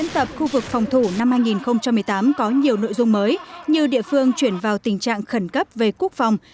tập khu vực phòng thủ năm hai nghìn một mươi tám có nhiều nội dung mới như địa phương chuyển vào tình trạng khẩn cấp về quốc phòng